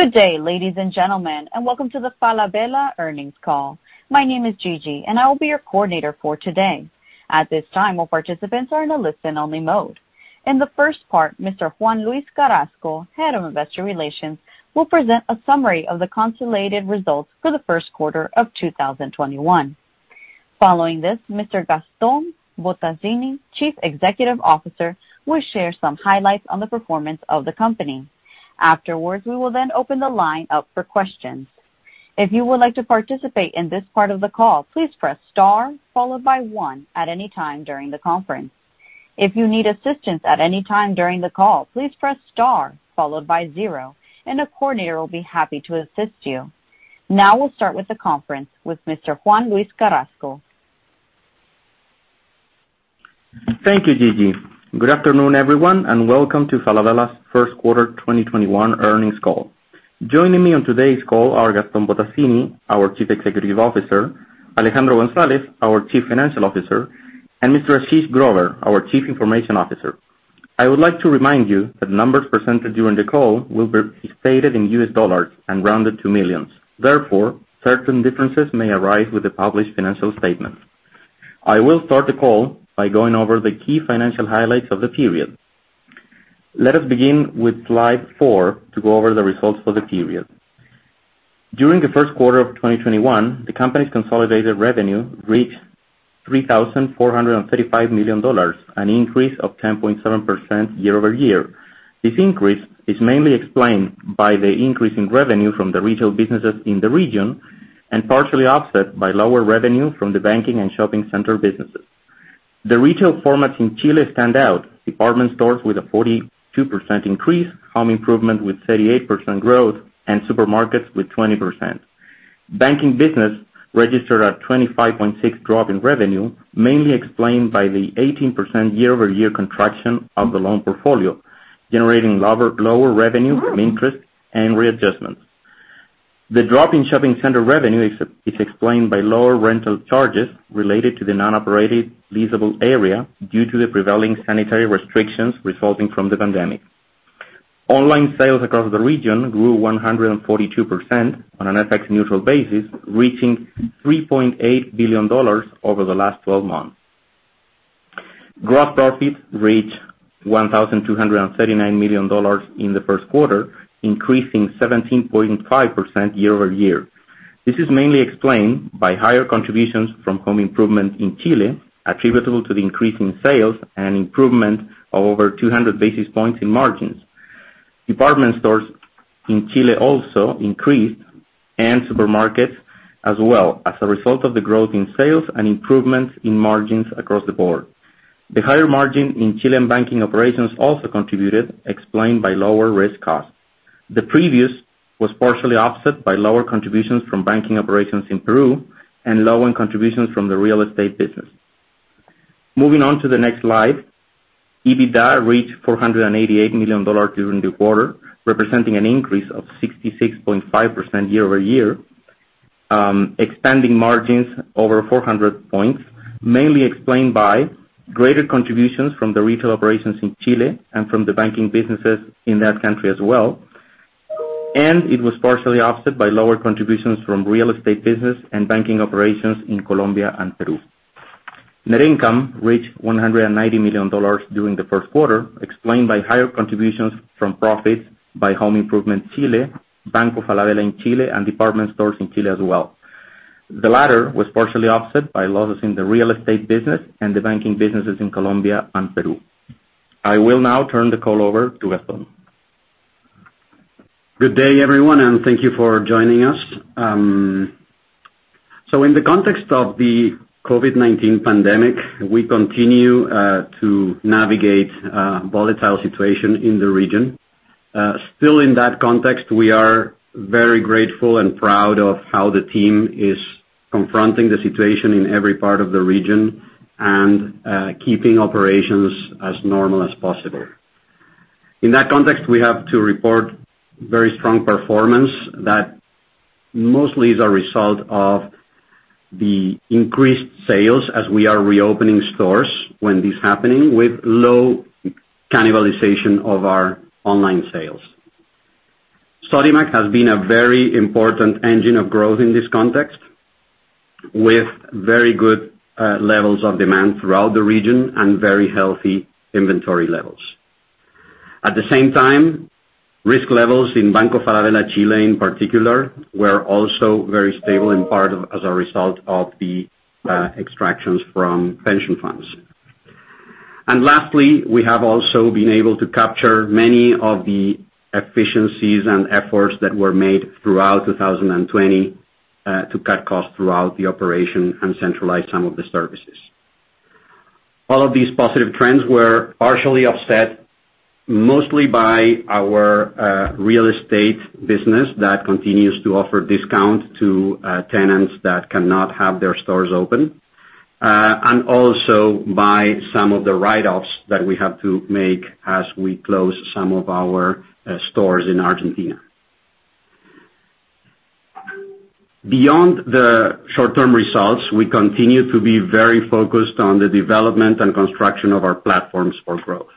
Good day, ladies and gentlemen, welcome to the Falabella earnings call. My name is Gigi, I will be your coordinator for today. At this time, all participants are in a listen-only mode. In the first part, Mr. Juan-Luis Carrasco, Head of Investor Relations, will present a summary of the consolidated results for the first quarter of 2021. Following this, Mr. Gaston Bottazzini, Chief Executive Officer, will share some highlights on the performance of the company. Afterwards, we will then open the line up for questions. If you would like to participate in this part of the call, please press star followed by one at any time during the conference. If you need assistance at any time during the call, please press star followed by zero, and a coordinator will be happy to assist you. Now we'll start with the conference with Mr. Juan-Luis Carrasco. Thank you, Gigi. Good afternoon, everyone, and welcome to Falabella's first quarter 2021 earnings call. Joining me on today's call are Gaston Bottazzini, our Chief Executive Officer, Alejandro González, our Chief Financial Officer, and Mr. Ashish Grover, our Chief Information Officer. I would like to remind you that numbers presented during the call will be stated in U.S. dollars and rounded to millions. Therefore, certain differences may arise with the published financial statement. I will start the call by going over the key financial highlights of the period. Let us begin with slide four to go over the results for the period. During the first quarter of 2021, the company's consolidated revenue reached $3,435 million, an increase of 10.7% year-over-year. This increase is mainly explained by the increase in revenue from the retail businesses in the region and partially offset by lower revenue from the banking and shopping center businesses. The retail formats in Chile stand out, department stores with a 42% increase, home improvement with 38% growth, and supermarkets with 20%. Banking business registered a 25.6% drop in revenue, mainly explained by the 18% year-over-year contraction of the loan portfolio, generating lower revenue from interest and readjustment. The drop in shopping center revenue is explained by lower rental charges related to the non-operated leasable area due to the prevailing sanitary restrictions resulting from the pandemic. Online sales across the region grew 142% on an FX-neutral basis, reaching $3.8 billion over the last 12 months. Gross profit reached $1,239 million in the first quarter, increasing 17.5% year-over-year. This is mainly explained by higher contributions from home improvement in Chile, attributable to the increase in sales and improvement of over 200 basis points in margins. Department stores in Chile also increased, and supermarkets as well, as a result of the growth in sales and improvements in margins across the board. The higher margin in Chilean banking operations also contributed, explained by lower risk costs. The previous was partially offset by lower contributions from banking operations in Peru and lower contributions from the real estate business. Moving on to the next slide, EBITDA reached $488 million during the quarter, representing an increase of 66.5% year-over-year, expanding margins over 400 points, mainly explained by greater contributions from the retail operations in Chile and from the banking businesses in that country as well. It was partially offset by lower contributions from real estate business and banking operations in Colombia and Peru. Net income reached $190 million during the first quarter, explained by higher contributions from profits by home improvement Chile, Banco Falabella in Chile, and department stores in Chile as well. The latter was partially offset by losses in the real estate business and the banking businesses in Colombia and Peru. I will now turn the call over to Gaston. Good day, everyone, and thank you for joining us. In the context of the COVID-19 pandemic, we continue to navigate a volatile situation in the region. Still in that context, we are very grateful and proud of how the team is confronting the situation in every part of the region and keeping operations as normal as possible. In that context, we have to report very strong performance that mostly is a result of the increased sales as we are reopening stores when it is happening with low cannibalization of our online sales. Sodimac has been a very important engine of growth in this context, with very good levels of demand throughout the region and very healthy inventory levels. At the same time, risk levels in Banco Falabella Chile in particular, were also very stable in part as a result of the extractions from pension funds. Lastly, we have also been able to capture many of the efficiencies and efforts that were made throughout 2020, to cut costs throughout the operation and centralize some of the services. All of these positive trends were partially offset mostly by our real estate business that continues to offer discount to tenants that cannot have their stores open, and also by some of the write-offs that we have to make as we close some of our stores in Argentina. Beyond the short-term results, we continue to be very focused on the development and construction of our platforms for growth.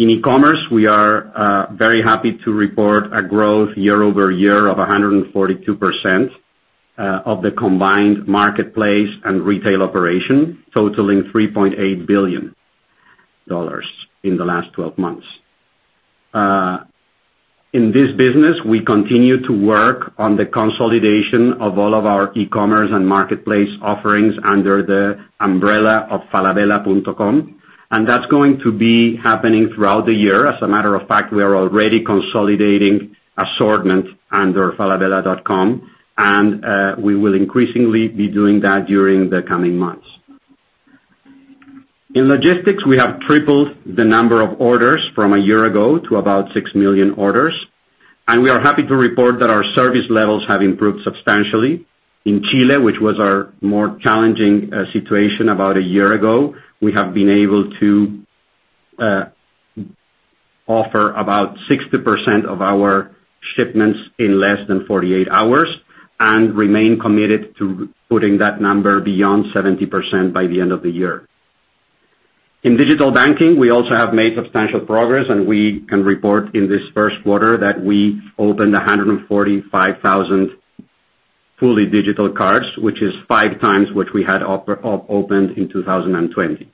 In e-commerce, we are very happy to report a growth year-over-year of 142% of the combined marketplace and retail operation, totaling $3.8 billion in the last 12 months. In this business, we continue to work on the consolidation of all of our e-commerce and marketplace offerings under the umbrella of falabella.com. That's going to be happening throughout the year. As a matter of fact, we are already consolidating assortment under falabella.com. We will increasingly be doing that during the coming months. In logistics, we have tripled the number of orders from a year ago to about 6 million orders. We are happy to report that our service levels have improved substantially. In Chile, which was our more challenging situation about a year ago, we have been able to offer about 60% of our shipments in less than 48 hours. We remain committed to putting that number beyond 70% by the end of the year. In digital banking, we also have made substantial progress, and we can report in this first quarter that we opened 145,000 fully digital cards, which is 5x what we had opened in 2020.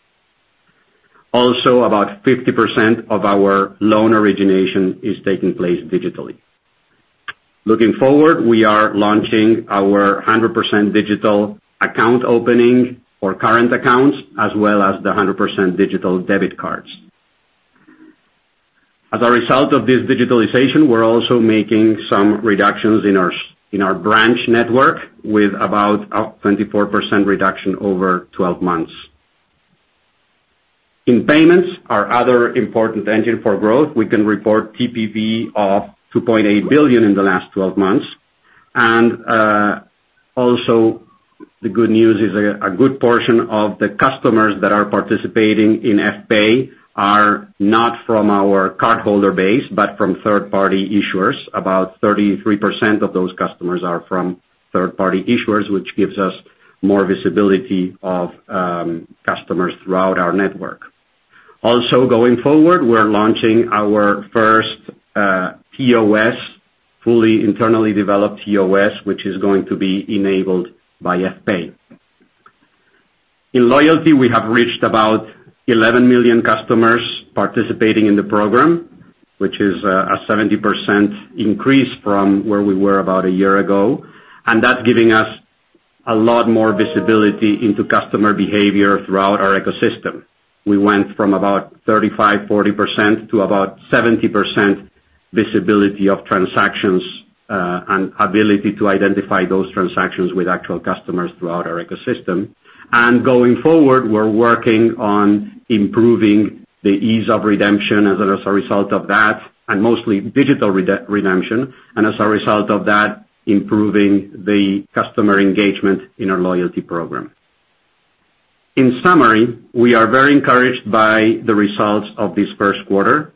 Also, about 50% of our loan origination is taking place digitally. Looking forward, we are launching our 100% digital account opening for current accounts as well as the 100% digital debit cards. As a result of this digitalization, we're also making some reductions in our branch network with about a 24% reduction over 12 months. In payments, our other important engine for growth, we can report TPV of $2.8 billion in the last 12 months. The good news is a good portion of the customers that are participating in Fpay are not from our cardholder base but from third-party issuers. About 33% of those customers are from third-party issuers, which gives us more visibility of customers throughout our network. Also going forward, we're launching our first POS, fully internally developed POS, which is going to be enabled by Fpay. In loyalty, we have reached about 11 million customers participating in the program, which is a 70% increase from where we were about a year ago, and that's giving us a lot more visibility into customer behavior throughout our ecosystem. We went from about 35%, 40% to about 70% visibility of transactions, and ability to identify those transactions with actual customers throughout our ecosystem. Going forward, we're working on improving the ease of redemption as a result of that, and mostly digital redemption, and as a result of that, improving the customer engagement in our loyalty program. In summary, we are very encouraged by the results of this first quarter.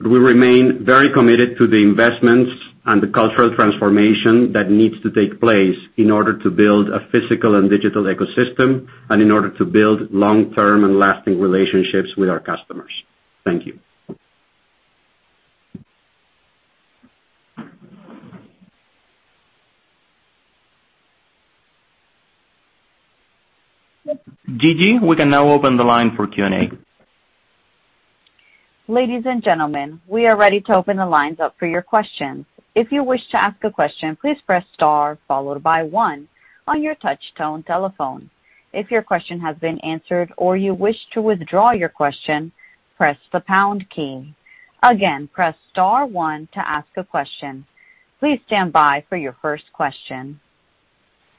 We remain very committed to the investments and the cultural transformation that needs to take place in order to build a physical and digital ecosystem, and in order to build long-term and lasting relationships with our customers. Thank you. Gigi, we can now open the line for Q&A. Ladies and gentlemen, we are ready to open the lines up for your questions. If you wish to ask a question, please press star followed by one on your touchtone telephone. If your question has been answered or you wish to withdraw your question, press the pound key. Again, press star one to ask a question. Please stand by for your first question.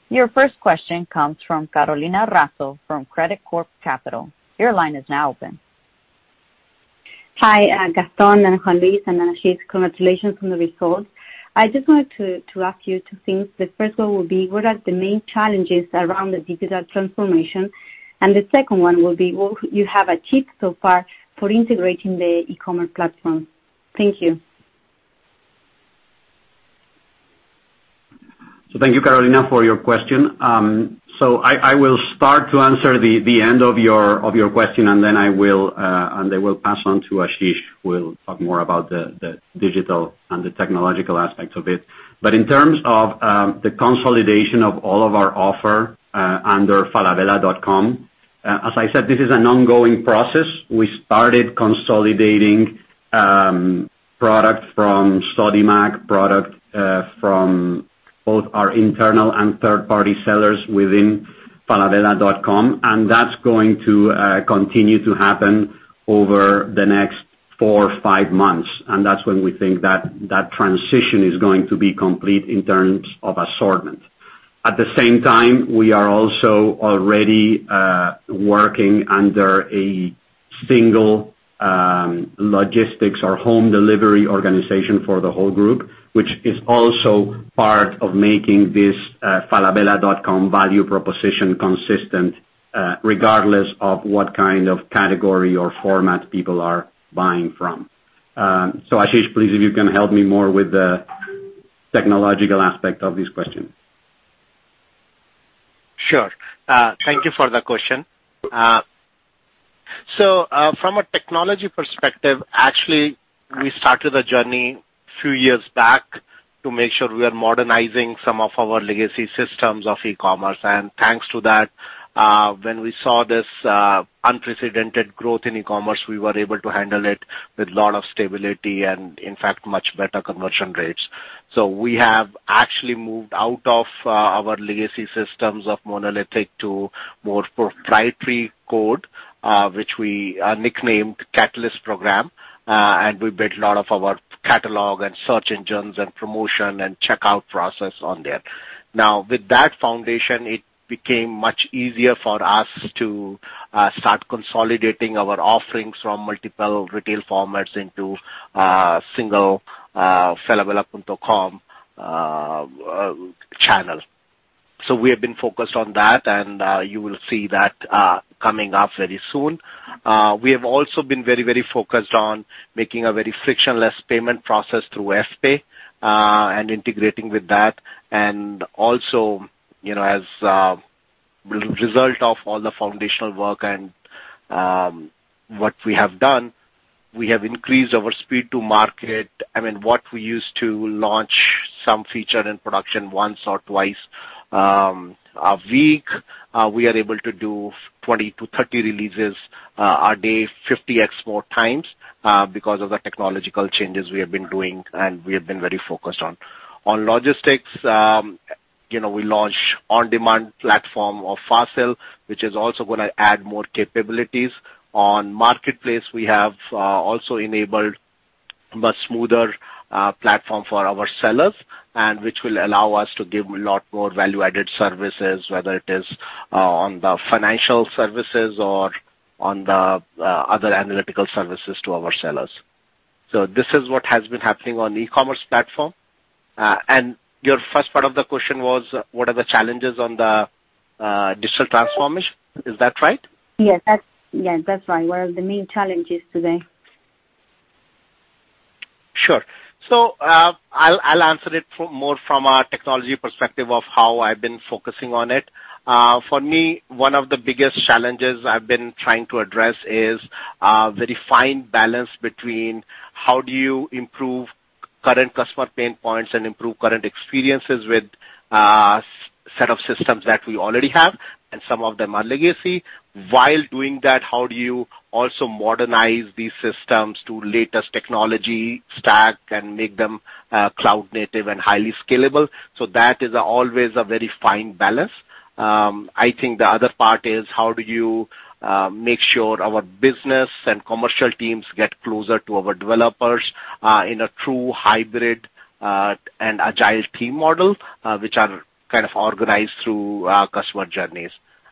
Your first question comes from Carolina Razo from Credicorp Capital. Your line is now open. Hi, Gaston, Juan-Luis, and Ashish. Congratulations on the results. I just wanted to ask you two things. The first one will be, what are the main challenges around the digital transformation? The second one will be, what you have achieved so far for integrating the e-commerce platform. Thank you. Thank you, Carolina, for your question. I will start to answer the end of your question, and then I will pass on to Ashish, who will talk more about the digital and the technological aspects of it. In terms of the consolidation of all of our offer under falabella.com, as I said, this is an ongoing process. We started consolidating product from Sodimac, product from both our internal and third-party sellers within falabella.com, and that's going to continue to happen over the next four or five months, and that's when we think that transition is going to be complete in terms of assortment. At the same time, we are also already working under a single logistics or home delivery organization for the whole group, which is also part of making this falabella.com value proposition consistent regardless of what kind of category or format people are buying from. Ashish, please, if you can help me more with the technological aspect of this question. Sure. Thank you for the question. From a technology perspective, actually, we started a journey a few years back to make sure we are modernizing some of our legacy systems of e-commerce, and thanks to that, when we saw this unprecedented growth in e-commerce, we were able to handle it with a lot of stability and, in fact, much better conversion rates. We have actually moved out of our legacy systems of monolithic to more proprietary code, which we nicknamed Catalyst Program, and we built a lot of our catalog and search engines and promotion and checkout process on there. Now, with that foundation, it became much easier for us to start consolidating our offerings from multiple retail formats into a single falabella.com channel. We have been focused on that, and you will see that coming up very soon. We have also been very focused on making a very frictionless payment process through Fpay and integrating with that, and also, as a result of all the foundational work and what we have done, we have increased our speed to market. I mean, what we used to launch some feature and production once or twice a week, we are able to do 20-30 releases a day, 50x more times because of the technological changes we have been doing, and we have been very focused on. On logistics, we launch on-demand platform of Fazil, which is also going to add more capabilities. On marketplace, we have also enabled a much smoother platform for our sellers, and which will allow us to give a lot more value-added services, whether it is on the financial services or on the other analytical services to our sellers. This is what has been happening on the e-commerce platform. Your first part of the question was, what are the challenges on the digital transformation? Is that right? Yes, that's right. What are the main challenges today? Sure. I'll answer it more from a technology perspective of how I've been focusing on it. For me, one of the biggest challenges I've been trying to address is the defined balance between how do you improve current customer pain points and improve current experiences with a set of systems that we already have, and some of them are legacy. While doing that, how do you also modernize these systems to latest technology stack and make them cloud-native and highly scalable? That is always a very fine balance. I think the other part is how do you make sure our business and commercial teams get closer to our developers in a true hybrid and agile team model, which are kind of organized through customer journeys.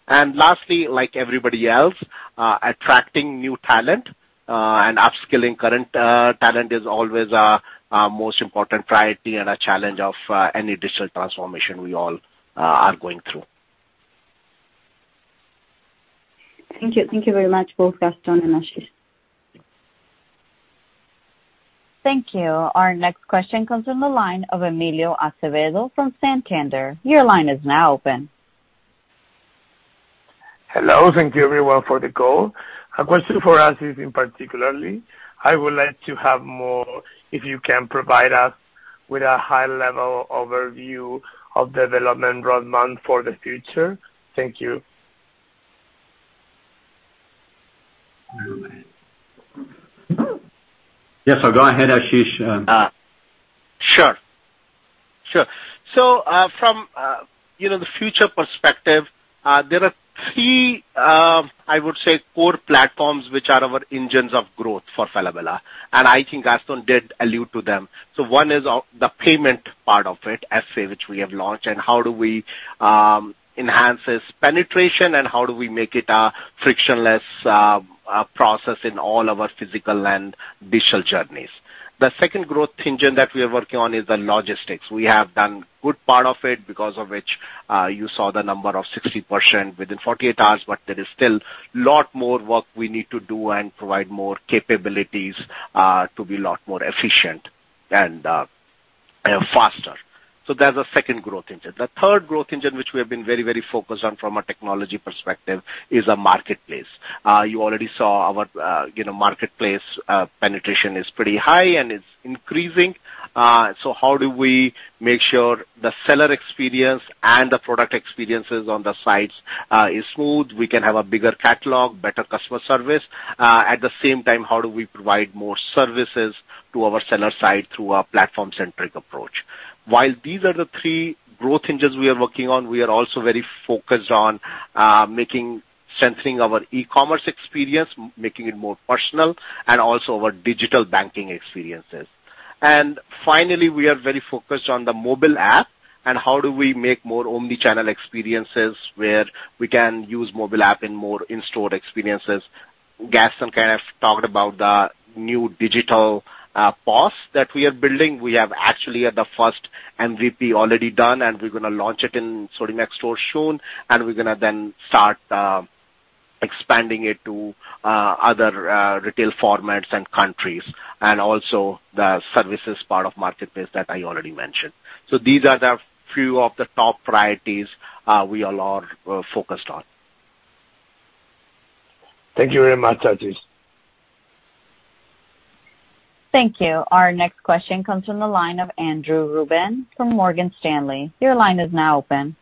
Lastly, like everybody else, attracting new talent and upskilling current talent is always our most important priority and a challenge of any digital transformation we all are going through. Thank you. Thank you very much both Gaston and Ashish. Thank you. Our next question comes from the line of Emilio Acevedo from Santander. Your line is now open. Hello, thank you, everyone, for the call. A question for Ashish in particularly. I would like to have more, if you can provide us with a high-level overview of development roadmap for the future. Thank you. Yes, go ahead, Ashish. Sure. From the future perspective, there are three, I would say, core platforms which are our engines of growth for Falabella, and I think Gaston did allude to them. One is the payment part of it, Fpay, which we have launched, and how do we enhance its penetration, and how do we make it a frictionless process in all our physical and digital journeys. The second growth engine that we are working on is the logistics. We have done good part of it because of which you saw the number of 60% within 48 hours, but there is still a lot more work we need to do and provide more capabilities to be a lot more efficient and faster. That's the second growth engine. The third growth engine, which we have been very focused on from a technology perspective, is a marketplace. You already saw our marketplace penetration is pretty high, and it's increasing. How do we make sure the seller experience and the product experiences on the sites is smooth? We can have a bigger catalog, better customer service. At the same time, how do we provide more services to our seller side through a platform-centric approach? While these are the three growth engines we are working on, we are also very focused on centering our e-commerce experience, making it more personal, and also our digital banking experiences. Finally, we are very focused on the mobile app and how do we make more omnichannel experiences where we can use mobile app in more in-store experiences. Gaston kind of talked about the new digital POS that we are building. We have actually had the first MVP already done. We're going to launch it in Sodimac stores soon. We're going to start expanding it to other retail formats and countries. Also, the services part of marketplace that I already mentioned. These are the few of the top priorities we are focused on. Thank you very much, Ashish. Thank you. Our next question comes from the line of Andrew Ruben from Morgan Stanley. Your line is now open.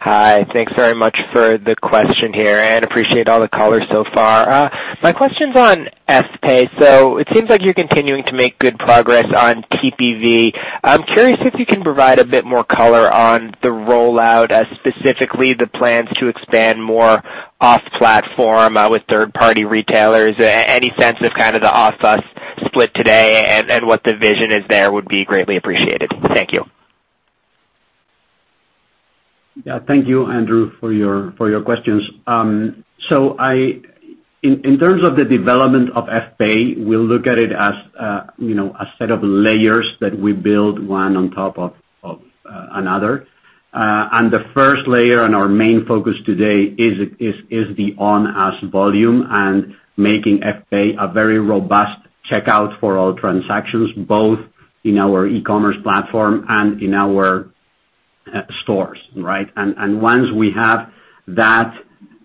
Hi. Thanks very much for the question here and appreciate all the color so far. My question's on Fpay. It seems like you're continuing to make good progress on TPV. I'm curious if you can provide a bit more color on the rollout, specifically the plans to expand more off-platform with third-party retailers. Any sense of kind of the off-us split today and what the vision is there would be greatly appreciated. Thank you. Yeah. Thank you, Andrew, for your questions. In terms of the development of Fpay, we look at it as a set of layers that we build one on top of another. The first layer and our main focus today is the on-us volume and making Fpay a very robust checkout for all transactions, both in our e-commerce platform and in our stores, right? Once we have that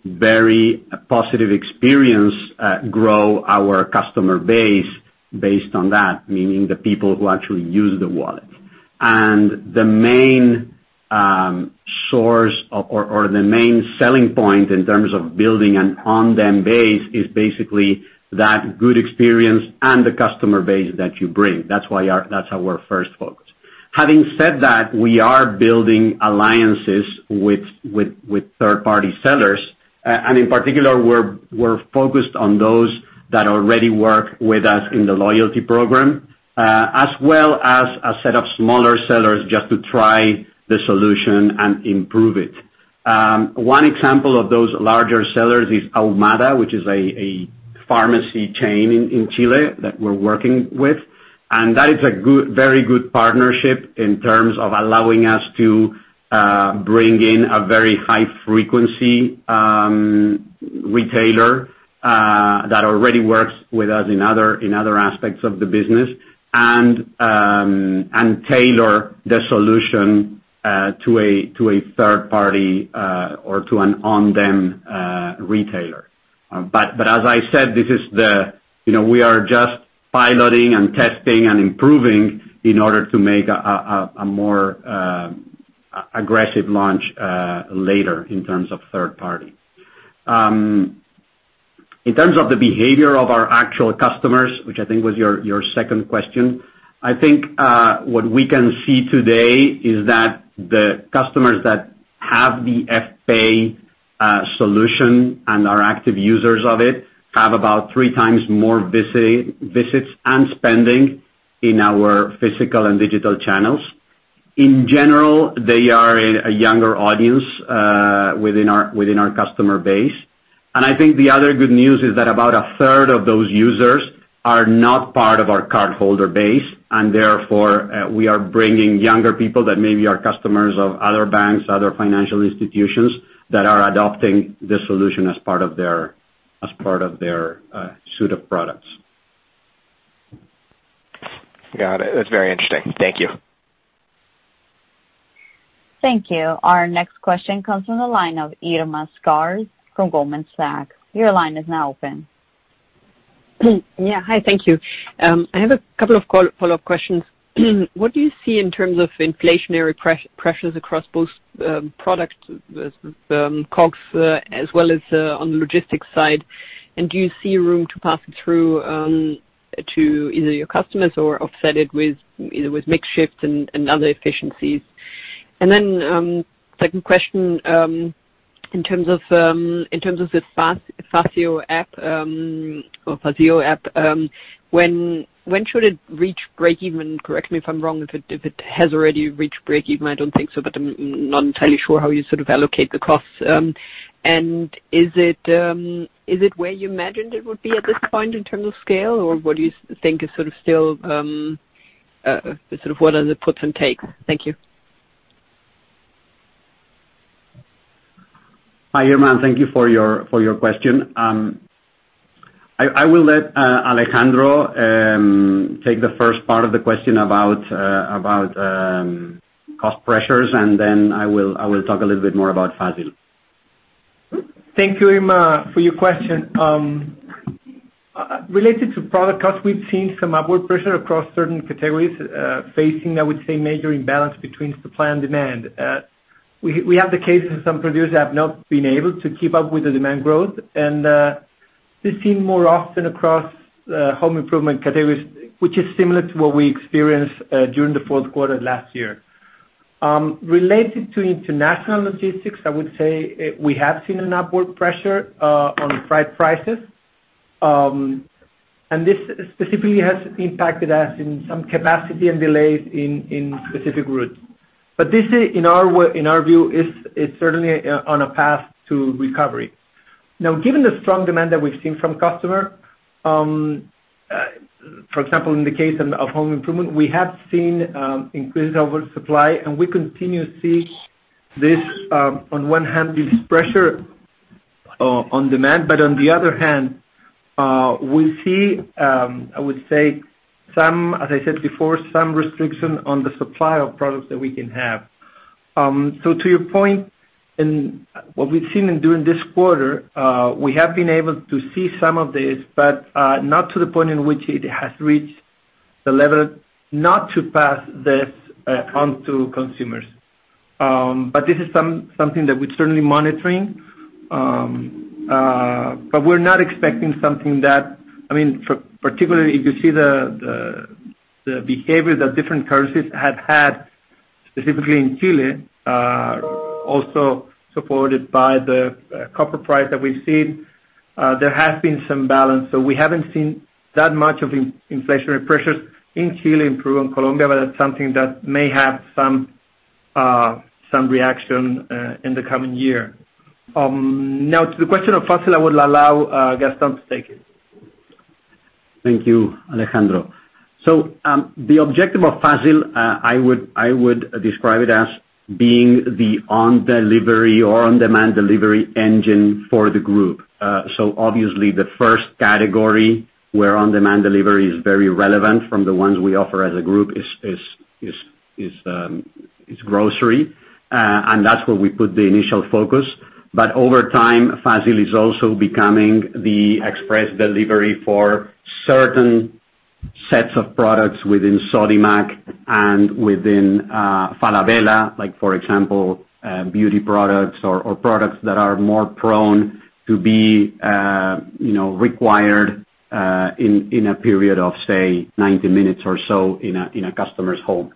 very positive experience, grow our customer base based on that, meaning the people who actually use the wallet. The main source or the main selling point in terms of building an on-them base is basically that good experience and the customer base that you bring. That's our first focus. Having said that, we are building alliances with third-party sellers. In particular, we're focused on those that already work with us in the loyalty program, as well as a set of smaller sellers just to try the solution and improve it. One example of those larger sellers is Ahumada, which is a pharmacy chain in Chile that we're working with. That is a very good partnership in terms of allowing us to bring in a very high-frequency retailer that already works with us in other aspects of the business, and tailor the solution to a third party or to an on-them retailer. As I said, we are just piloting and testing and improving in order to make a more aggressive launch later in terms of third party. In terms of the behavior of our actual customers, which I think was your second question, I think, what we can see today is that the customers that have the Fpay solution and are active users of it have about 3x more visits and spending in our physical and digital channels. In general, they are a younger audience within our customer base. I think the other good news is that about a third of those users are not part of our cardholder base, and therefore, we are bringing younger people that may be our customers of other banks, other financial institutions, that are adopting this solution as part of their suite of products. Got it. That's very interesting. Thank you. Thank you. Our next question comes from the line of Irma Sgarz from Goldman Sachs. Your line is now open. Yeah. Hi, thank you. I have a couple of follow-up questions. What do you see in terms of inflationary pressures across both products, COGS, as well as on the logistics side? Do you see room to pass it through to either your customers or offset it either with mix shifts and other efficiencies? Second question, in terms of the Fazil app, when should it reach breakeven? Correct me if I'm wrong, if it has already reached breakeven. I don't think so, but I'm not entirely sure how you sort of allocate the costs. Is it where you imagined it would be at this point in terms of scale, or what do you think is sort of still, what are the puts and takes? Thank you. Hi, Irma. Thank you for your question. I will let Alejandro take the first part of the question about cost pressures, then I will talk a little bit more about Fazil. Thank you, Irma, for your question. Related to product costs, we've seen some upward pressure across certain categories, facing, I would say, major imbalance between supply and demand. We have the case of some producers have not been able to keep up with the demand growth. This seen more often across home improvement categories, which is similar to what we experienced during the fourth quarter last year. Related to international logistics, I would say we have seen an upward pressure on freight prices. This specifically has impacted us in some capacity and delays in specific routes. This, in our view, is certainly on a path to recovery. Now, given the strong demand that we've seen from customers, for example, in the case of home improvement, we have seen increased oversupply, and we continue to see, on one hand, this pressure on demand. On the other hand, we see, I would say, as I said before, some restriction on the supply of products that we can have. To your point, and what we've seen during this quarter, we have been able to see some of this, but not to the point in which it has reached the level not to pass this onto consumers. This is something that we're certainly monitoring. We're not expecting something. Particularly if you see the behavior that different currencies have had, specifically in Chile, also supported by the copper price that we've seen, there has been some balance. We haven't seen that much of inflationary pressures in Chile, in Peru, and Colombia, but that's something that may have some reaction in the coming year. Now, to the question of Fazil, I will allow Gaston to take it. Thank you, Alejandro. The objective of Fazil, I would describe it as being the on-delivery or on-demand delivery engine for the group. Obviously, the first category where on-demand delivery is very relevant from the ones we offer as a group is grocery, and that's where we put the initial focus. Over time, Fazil is also becoming the express delivery for certain sets of products within Sodimac and within Falabella, like for example, beauty products or products that are more prone to be required in a period of, say, 90 minutes or so in a customer's home.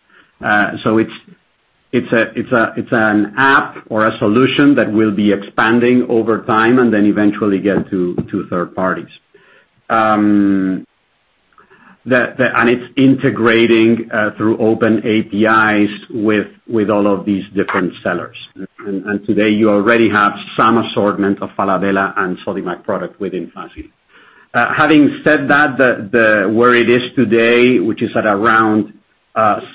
It's an app or a solution that will be expanding over time and then eventually get to third parties. It's integrating through open APIs with all of these different sellers. Today, you already have some assortment of Falabella and Sodimac product within Fazil. Having said that, where it is today, which is at around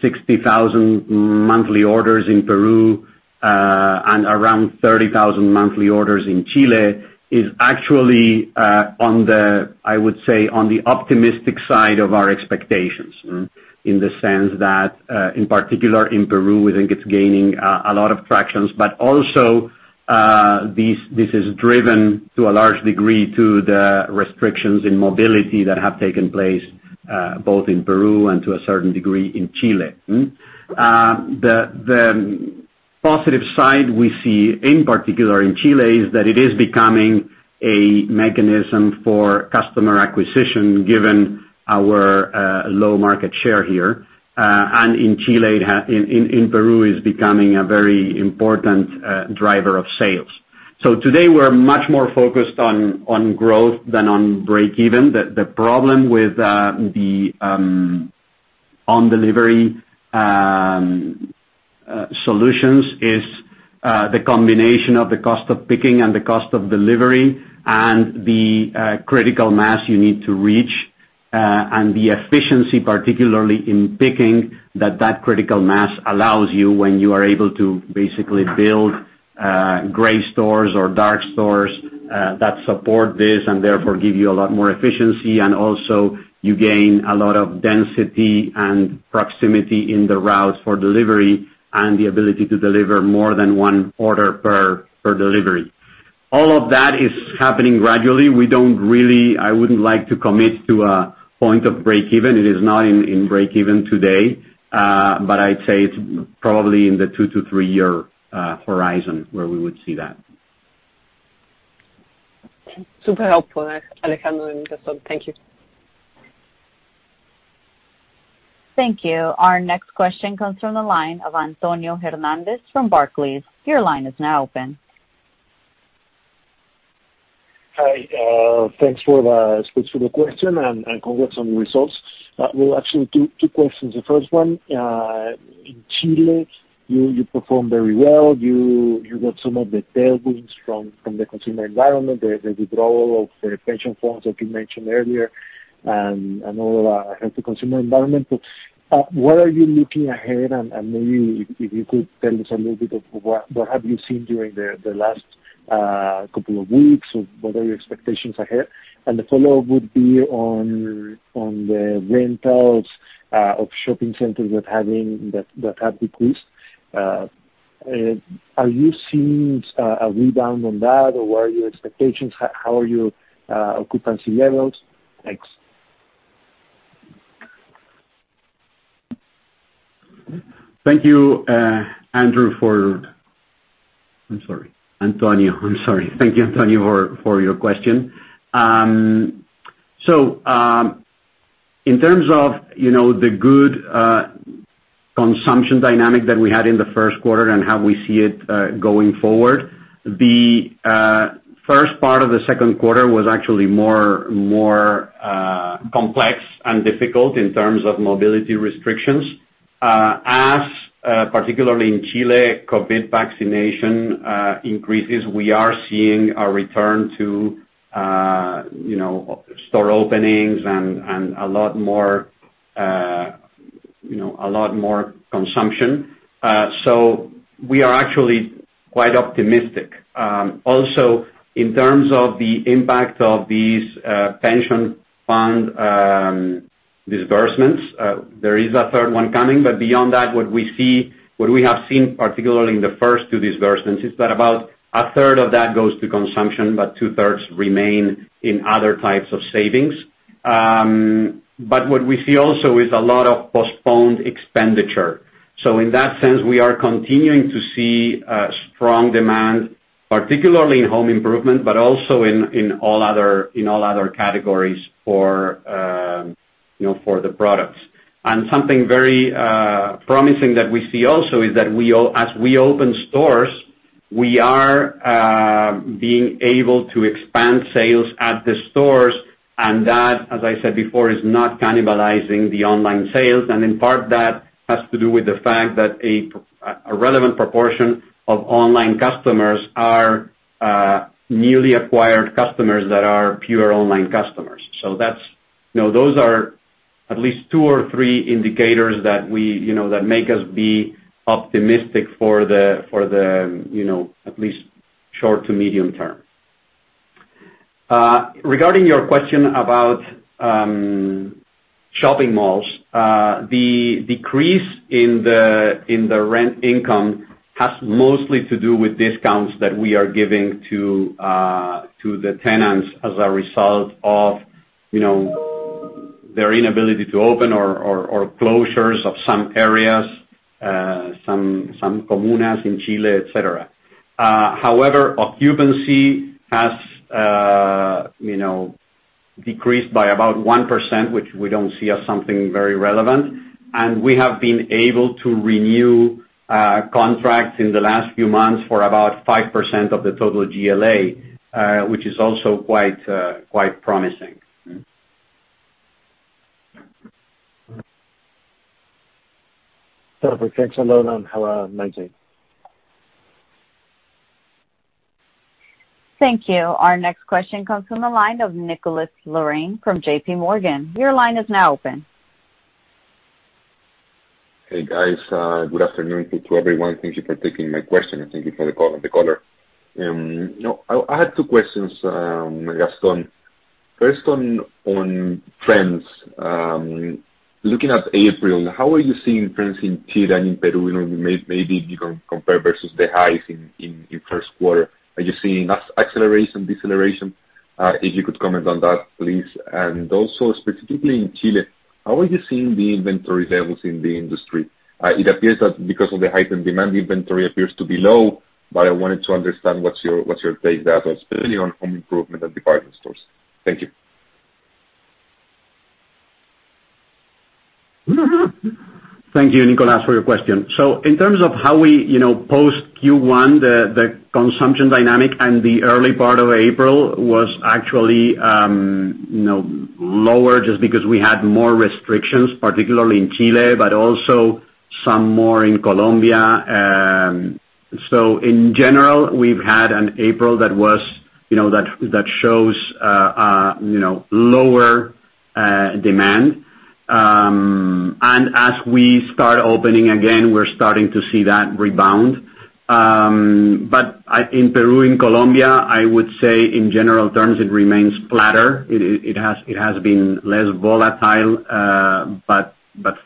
60,000 monthly orders in Peru, and around 30,000 monthly orders in Chile, is actually, I would say, on the optimistic side of our expectations. In the sense that, in particular in Peru, we think it's gaining a lot of traction. Also, this is driven to a large degree to the restrictions in mobility that have taken place, both in Peru and to a certain degree in Chile. The positive side we see, in particular in Chile, is that it is becoming a mechanism for customer acquisition given our low market share here. In Peru, it's becoming a very important driver of sales. Today, we're much more focused on growth than on break-even. The problem with the on-delivery solutions is the combination of the cost of picking and the cost of delivery, and the critical mass you need to reach and the efficiency, particularly in picking, that that critical mass allows you when you are able to basically build gray stores or dark stores that support this and therefore give you a lot more efficiency. Also, you gain a lot of density and proximity in the routes for delivery and the ability to deliver more than one order per delivery. All of that is happening gradually. I wouldn't like to commit to a point of break-even. It is not in break-even today. I'd say it's probably in the two to three-year horizon where we would see that. Super helpful, Alejandro and Gaston. Thank you. Thank you. Our next question comes from the line of Antonio Hernandez from Barclays. Your line is now open. Hi. Thanks for the space for the question, and congrats on the results. Well, actually two questions. The first one, in Chile, you performed very well. You got some of the tailwinds from the consumer environment, the withdrawal of the pension funds, like you mentioned earlier, and all of the healthy consumer environment. What are you looking ahead, and maybe if you could tell us a little bit of what have you seen during the last couple of weeks, or what are your expectations ahead? The follow-up would be on the rentals of shopping centers that have decreased. Are you seeing a rebound on that, or what are your expectations? How are your occupancy levels? Thanks. Thank you, Andrew, for, I'm sorry, Antonio. I'm sorry. Thank you, Antonio, for your question. In terms of the good consumption dynamic that we had in the first quarter and how we see it going forward, the first part of the second quarter was actually more complex and difficult in terms of mobility restrictions. As, particularly in Chile, COVID vaccination increases, we are seeing a return to store openings and a lot more consumption. We are actually quite optimistic. Also, in terms of the impact of these pension fund disbursements, there is a third one coming, but beyond that, what we have seen, particularly in the first two disbursements, is that about a third of that goes to consumption, but two-thirds remain in other types of savings. What we see also is a lot of postponed expenditure. In that sense, we are continuing to see strong demand, particularly in home improvement, but also in all other categories for the products. Something very promising that we see also is that as we open stores, we are being able to expand sales at the stores, and that, as I said before, is not cannibalizing the online sales. In part, that has to do with the fact that a relevant proportion of online customers are newly acquired customers that are pure online customers. Those are at least two or three indicators that make us be optimistic for at least short to medium term. Regarding your question about shopping malls, the decrease in the rent income has mostly to do with discounts that we are giving to the tenants as a result of their inability to open or closures of some areas, some comunas in Chile, et cetera. Occupancy has decreased by about 1%, which we don't see as something very relevant, and we have been able to renew contracts in the last few months for about 5% of the total GLA, which is also quite promising. Perfect. Thanks a lot. Hello, to the team. Thank you. Our next question comes from the line of Nicolás Larrain from JPMorgan. Your line is now open. Hey, guys. Good afternoon to everyone. Thank you for taking my question, thank you for the color. I have two questions, Gaston. First, on trends. Looking at April, how are you seeing trends in Chile and in Peru? Maybe you can compare versus the highs in first quarter. Are you seeing acceleration, deceleration? If you could comment on that, please. Also, specifically in Chile, how are you seeing the inventory levels in the industry? It appears that because of the heightened demand, the inventory appears to be low, but I wanted to understand what's your take there, especially on home improvement and department stores. Thank you. Thank you, Nicolás, for your question. In terms of how we post Q1, the consumption dynamic in the early part of April was actually lower just because we had more restrictions, particularly in Chile, but also some more in Colombia. In general, we've had an April that shows lower demand. As we start opening again, we're starting to see that rebound. In Peru and Colombia, I would say in general terms, it remains flatter. It has been less volatile, but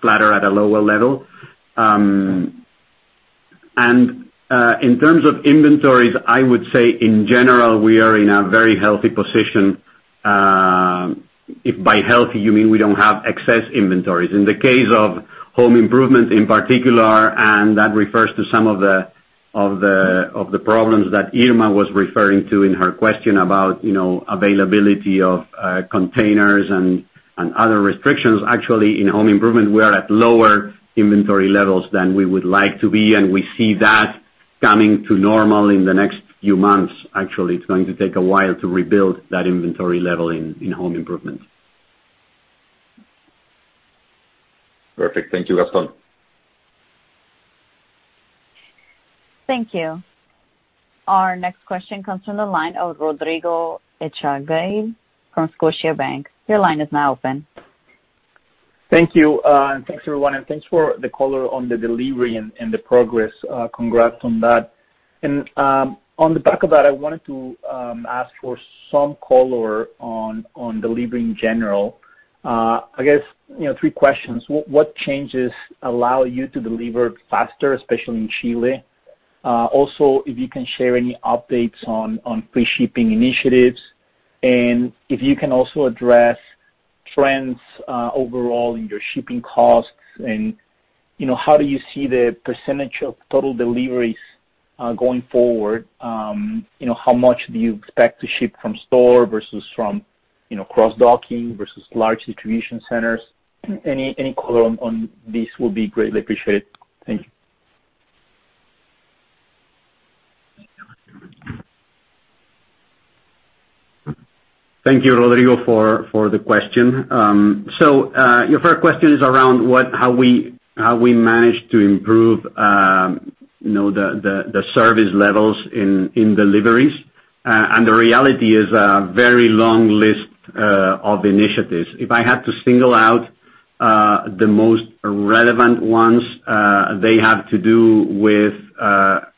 flatter at a lower level. In terms of inventories, I would say in general, we are in a very healthy position, if by healthy you mean we don't have excess inventories. In the case of home improvement in particular, and that refers to some of the problems that Irma was referring to in her question about availability of containers and other restrictions. Actually, in home improvement, we are at lower inventory levels than we would like to be, and we see that coming to normal in the next few months. Actually, it's going to take a while to rebuild that inventory level in home improvement. Perfect. Thank you, Gaston. Thank you. Our next question comes from the line of Rodrigo Echagaray from Scotiabank. Your line is now open. Thank you. Thanks everyone, and thanks for the color on the delivery and the progress. Congrats on that. On the back of that, I wanted to ask for some color on delivery in general. I guess three questions. What changes allow you to deliver faster, especially in Chile? Also, if you can share any updates on free shipping initiatives, and if you can also address trends overall in your shipping costs and how do you see the percentage of total deliveries going forward? How much do you expect to ship from store versus from cross-docking versus large distribution centers? Any color on this will be greatly appreciated. Thank you. Thank you, Rodrigo, for the question. Your first question is around how we manage to improve the service levels in deliveries. The reality is a very long list of initiatives. If I had to single out the most relevant ones, they have to do with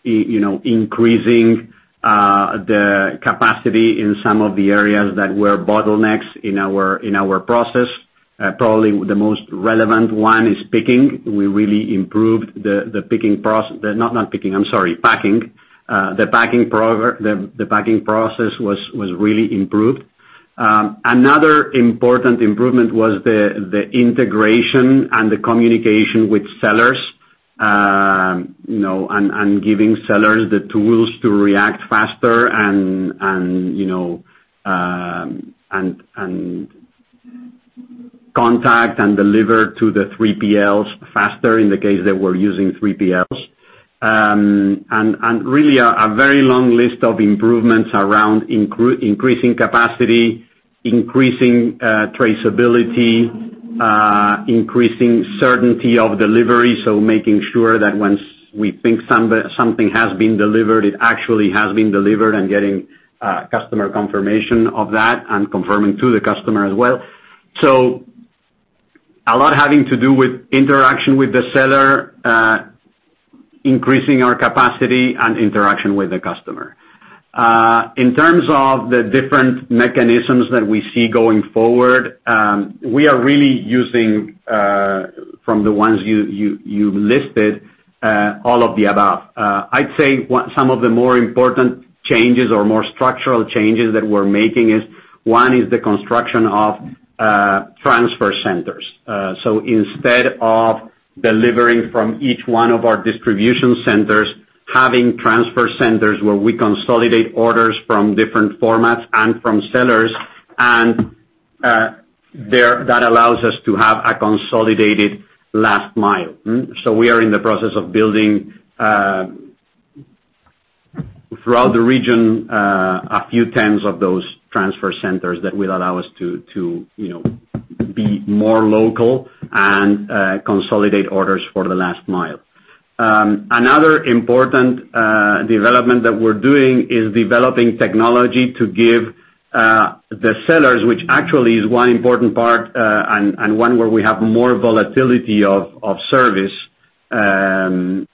increasing the capacity in some of the areas that were bottlenecks in our process. Probably the most relevant one is picking. We really improved the picking process. Not picking, I'm sorry, packing. The packing process was really improved. Another important improvement was the integration and the communication with sellers and giving sellers the tools to react faster and contact and deliver to the 3PLs faster in the case that we're using 3PLs. Really a very long list of improvements around increasing capacity, increasing traceability, increasing certainty of delivery. Making sure that once we think something has been delivered, it actually has been delivered and getting customer confirmation of that and confirming to the customer as well. A lot having to do with interaction with the seller, increasing our capacity, and interaction with the customer. In terms of the different mechanisms that we see going forward, we are really using, from the ones you listed, all of the above. I'd say some of the more important changes or more structural changes that we're making is, one, is the construction of transfer centers. Instead of delivering from each one of our distribution centers, having transfer centers where we consolidate orders from different formats and from sellers, and that allows us to have a consolidated last mile. We are in the process of building, throughout the region, a few tens of those transfer centers that will allow us to be more local and consolidate orders for the last mile. Another important development that we're doing is developing technology to give the sellers, which actually is one important part and one where we have more volatility of service, giving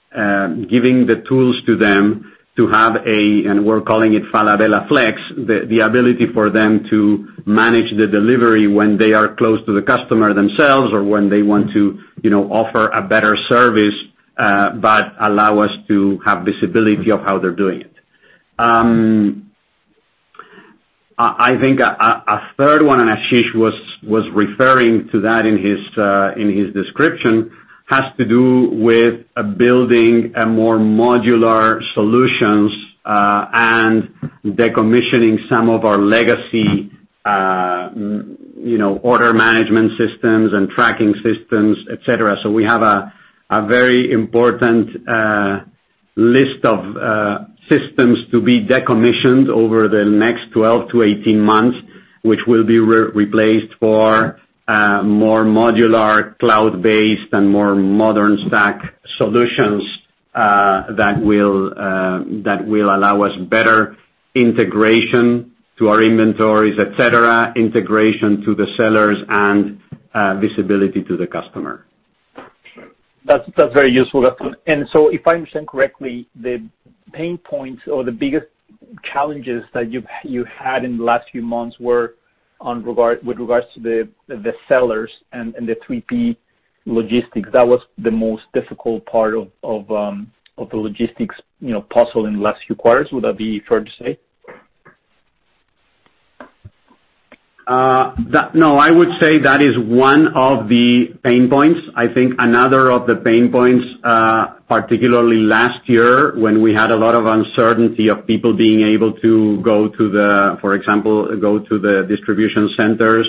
the tools to them to have a, and we're calling it Falabella FLEX, the ability for them to manage the delivery when they are close to the customer themselves or when they want to offer a better service, but allow us to have visibility of how they're doing it. I think a third one, and Ashish was referring to that in his description, has to do with building a more modular solutions, and decommissioning some of our legacy order management systems and tracking systems, et cetera. We have a very important list of systems to be decommissioned over the next 12-18 months, which will be replaced for more modular cloud-based and more modern stack solutions, that will allow us better integration to our inventories, et cetera, integration to the sellers, and visibility to the customer. That is very useful. If I understand correctly, the pain points or the biggest challenges that you have had in the last few months were with regards to the sellers and the 3P logistics. That was the most difficult part of the logistics puzzle in the last few quarters. Would that be fair to say? No, I would say that is one of the pain points. I think another of the pain points, particularly last year, when we had a lot of uncertainty of people being able to, for example, go to the distribution centers,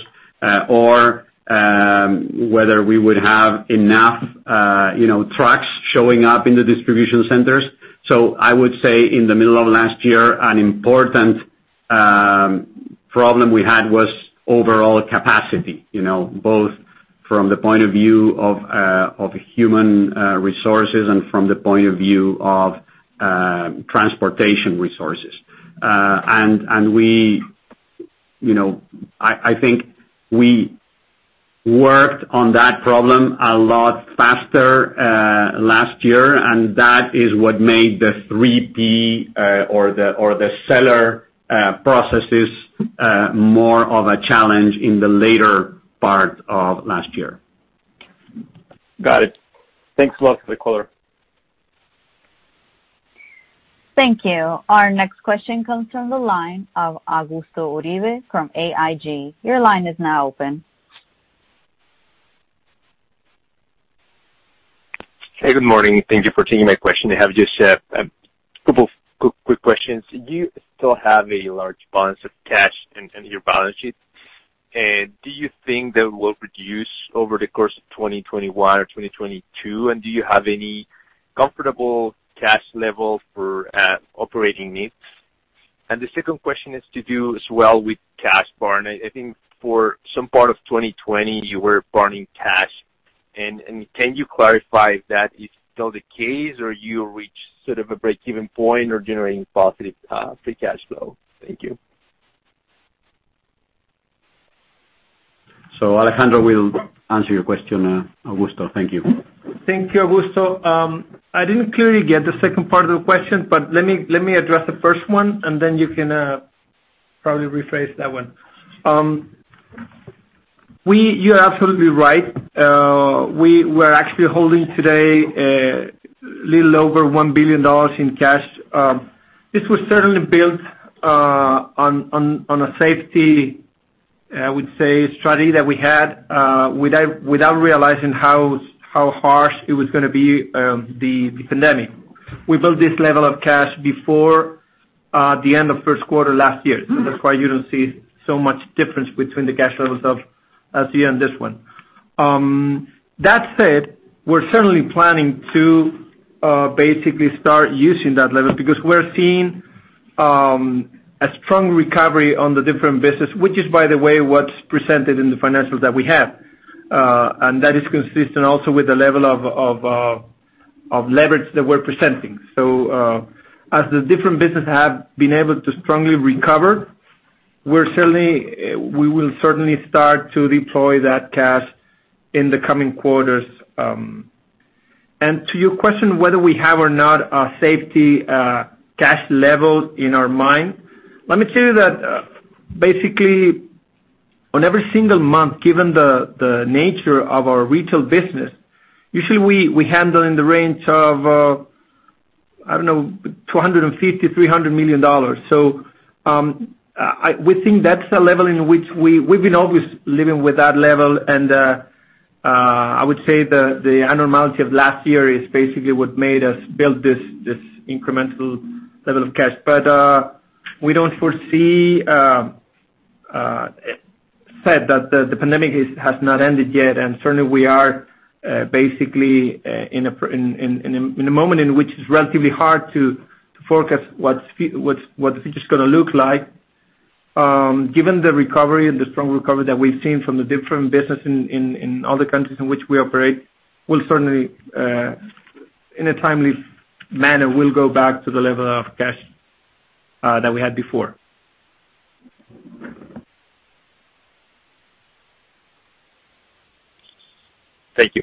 or whether we would have enough trucks showing up in the distribution centers. I would say in the middle of last year, an important problem we had was overall capacity, both from the point of view of human resources and from the point of view of transportation resources. I think we worked on that problem a lot faster last year, and that is what made the 3P or the seller processes more of a challenge in the later part of last year. Got it. Thanks a lot for the color. Thank you. Our next question comes from the line of Augusto Uribe from AIG. Your line is now open. Hey, good morning. Thank you for taking my question. I have just a couple of quick questions. You still have a large balance of cash in your balance sheet. Do you think that will reduce over the course of 2021 or 2022? Do you have any comfortable cash level for operating needs? The second question is to do as well with cash burn. I think for some part of 2020, you were burning cash. Can you clarify if that is still the case, or you reached sort of a breakeven point or generating positive free cash flow? Thank you. Alejandro will answer your question, Augusto. Thank you. Thank you, Augusto. I didn't clearly get the second part of the question, but let me address the first one, and then you can probably rephrase that one. You're absolutely right. We're actually holding today a little over $1 billion in cash. This was certainly built on a safety, I would say, strategy that we had, without realizing how harsh it was going to be, the pandemic. We built this level of cash before the end of first quarter last year. That's why you don't see so much difference between the cash levels of last year and this one. That said, we're certainly planning to basically start using that level because we're seeing a strong recovery on the different business, which is, by the way, what's presented in the financials that we have. That is consistent also with the level of leverage that we're presenting. As the different businesses have been able to strongly recover, we will certainly start to deploy that cash in the coming quarters. To your question, whether we have or not a safety cash level in our mind, let me tell you that basically on every single month, given the nature of our retail business, usually we handle in the range of, I don't know, $250 million-$300 million. We think that's the level in which we've been always living with that level, and I would say the abnormality of last year is basically what made us build this incremental level of cash. We don't foresee, said that the pandemic has not ended yet, and certainly we are basically in a moment in which it's relatively hard to forecast what the future's going to look like. Given the strong recovery that we've seen from the different businesses in all the countries in which we operate, we'll certainly, in a timely manner, go back to the level of cash that we had before. Thank you.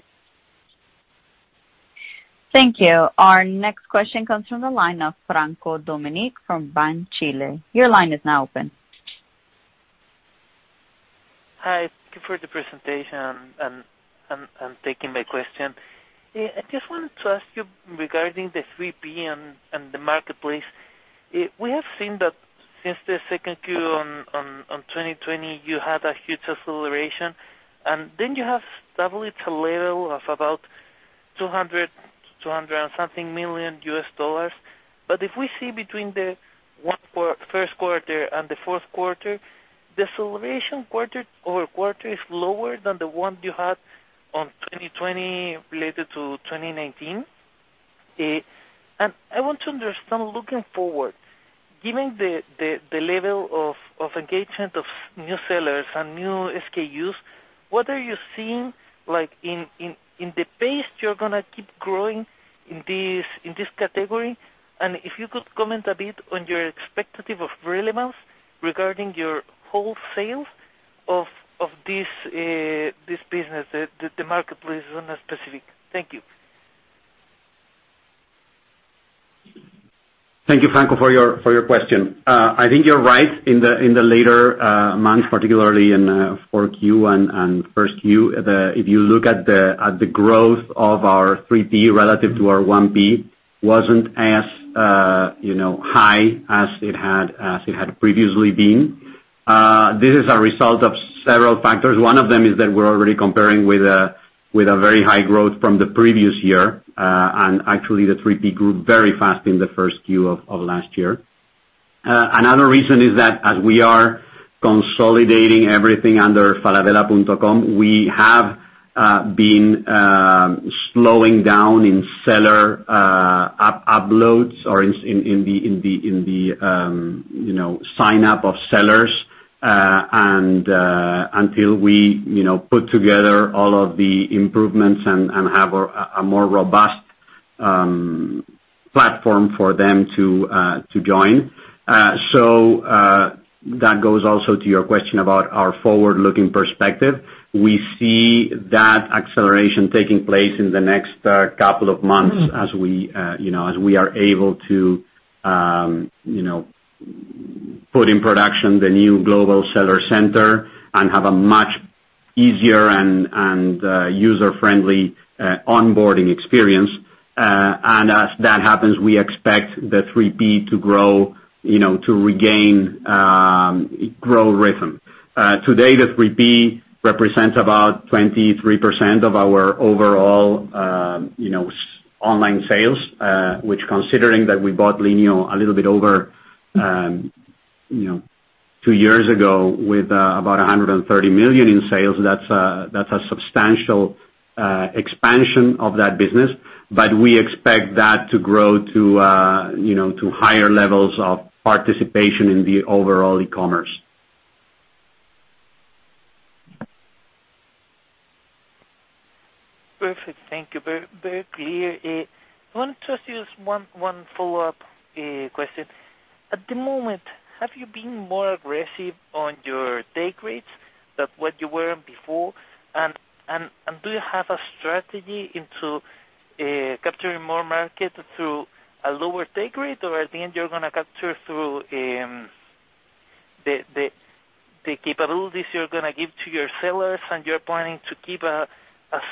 Thank you. Our next question comes from the line of Franco Dominichetti from Banchile. Hi, thank you for the presentation and taking my question. I just wanted to ask you regarding the 3P and the marketplace. We have seen that since the second Q on 2020, you had a huge acceleration, and then you have doubled it to a level of about $200 million and something. If we see between the first quarter and the fourth quarter, the acceleration quarter-over-quarter is lower than the one you had on 2020 related to 2019. I want to understand, looking forward, given the level of engagement of new sellers and new SKUs, what are you seeing in the pace you're going to keep growing in this category? If you could comment a bit on your expectative of relevance regarding your whole sales of this business, the marketplace on a specific. Thank you. Thank you, Franco, for your question. I think you're right in the later months, particularly in 4Q and first Q, if you look at the growth of our 3P relative to our 1P, wasn't as high as it had previously been. This is a result of several factors. One of them is that we're already comparing with a very high growth from the previous year. Actually, the 3P grew very fast in the first Q of last year. Another reason is that as we are consolidating everything under falabella.com, we have been slowing down in seller app uploads or in the sign-up of sellers, until we put together all of the improvements and have a more robust platform for them to join. That goes also to your question about our forward-looking perspective. We see that acceleration taking place in the next couple of months as we are able to put in production the new global seller center and have a much easier and user-friendly onboarding experience. As that happens, we expect the 3P to regain growth rhythm. Today, the 3P represents about 23% of our overall online sales, which considering that we bought Linio a little bit over two years ago with about $130 million in sales, that's a substantial expansion of that business. We expect that to grow to higher levels of participation in the overall e-commerce. Perfect. Thank you. Very clear. I want to ask you one follow-up question. At the moment, have you been more aggressive on your take rates than what you were before? Do you have a strategy into capturing more market through a lower take rate? At the end, you're going to capture through the capabilities you're going to give to your sellers, and you're planning to keep a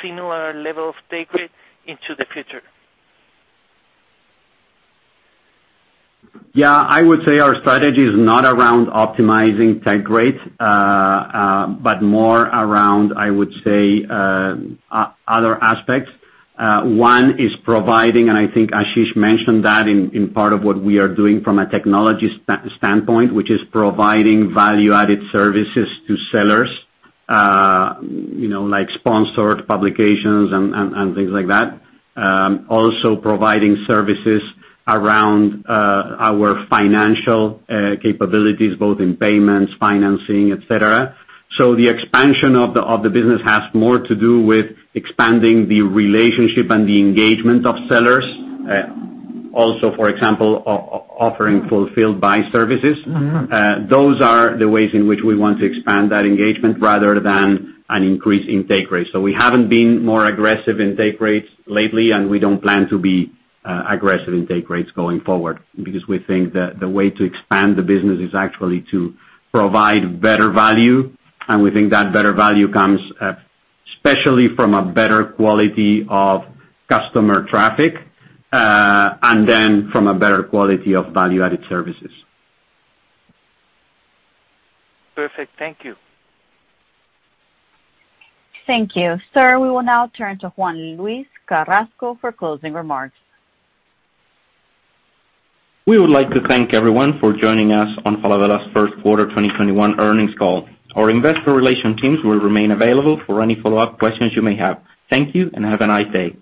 similar level of take rate into the future? Yeah, I would say our strategy is not around optimizing take rates, but more around, I would say, other aspects. One is providing, and I think Ashish mentioned that in part of what we are doing from a technology standpoint, which is providing value-added services to sellers, like sponsored publications and things like that. Also providing services around our financial capabilities, both in payments, financing, et cetera. The expansion of the business has more to do with expanding the relationship and the engagement of sellers. Also, for example, offering fulfilled by services. Those are the ways in which we want to expand that engagement rather than an increase in take rates. We haven't been more aggressive in take rates lately, and we don't plan to be aggressive in take rates going forward because we think that the way to expand the business is actually to provide better value, and we think that better value comes especially from a better quality of customer traffic, and then from a better quality of value-added services. Perfect. Thank you. Thank you. Sir, we will now turn to Juan-Luis Carrasco for closing remarks. We would like to thank everyone for joining us on Falabella's first quarter 2021 earnings call. Our investor relations teams will remain available for any follow-up questions you may have. Thank you and have a nice day.